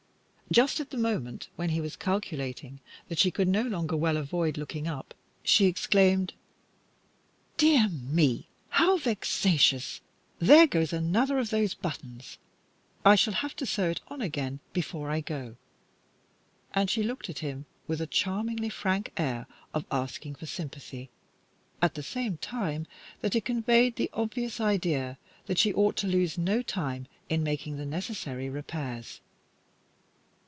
Just at the moment when he was calculating that she could no longer well avoid looking up, she exclaimed "Dear me, how vexatious! there goes another of those buttons. I shall have to sew it on again before I go," and she looked at him with a charmingly frank air of asking for sympathy, at the same time that it conveyed the obvious idea that she ought to lose no time in making the necessary repairs.